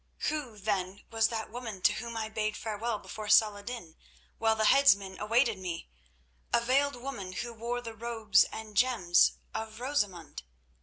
Who, then, was that woman to whom I bade farewell before Saladin while the headsman awaited me; a veiled woman who wore the robes and gems of Rosamund?"